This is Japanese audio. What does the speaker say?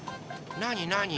なになに？